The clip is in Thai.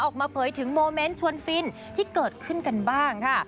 เผยถึงโมเมนต์ชวนฟินที่เกิดขึ้นกันบ้างค่ะ